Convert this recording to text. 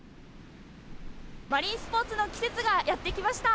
マリンスポーツの季節がやってきました。